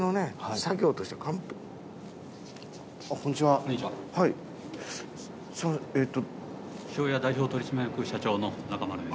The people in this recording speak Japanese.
桔梗屋代表取締役社長の中丸です。